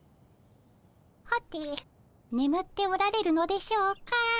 はてねむっておられるのでしょうか。